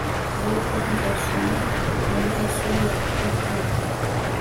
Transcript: ahubwo nzasoma mu maso ya gatori